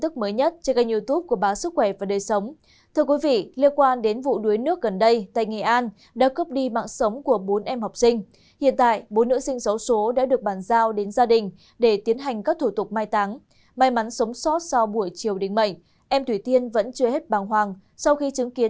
các bạn hãy đăng ký kênh để ủng hộ kênh của chúng mình nhé